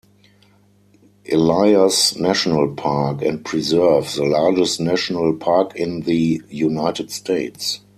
Elias National Park and Preserve, the largest national park in the United States.